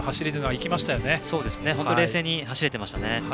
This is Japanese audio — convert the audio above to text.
冷静に走れていましたよね。